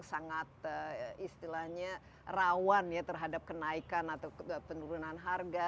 sangat istilahnya rawan ya terhadap kenaikan atau penurunan harga